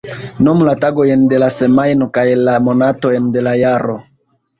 Nomu la tagojn de la semajno kaj la monatojn de la jaro.